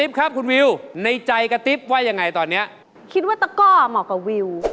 ตกความทรงเลยไม่มีอ้อมคอมเลย